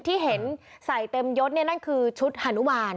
ที่เห็นใส่เต็มยดนั่นคือชุดฮานุมาน